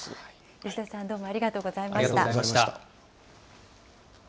吉田さん、どうもありがとうございました。